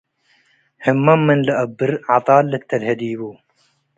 ህመም ምን ለአብር ዐጣል ልተልሄ ዲቡ።